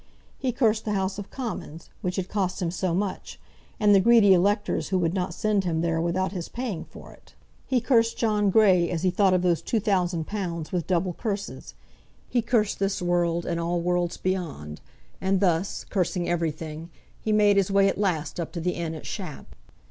He cursed the House of Commons, which had cost him so much, and the greedy electors who would not send him there without his paying for it. He cursed John Grey, as he thought of those two thousand pounds, with double curses. He cursed this world, and all worlds beyond; and thus, cursing everything, he made his way at last up to the inn at Shap.